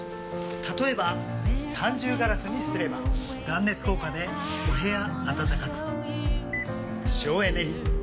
例えば三重ガラスにすれば断熱効果でお部屋暖かく省エネに。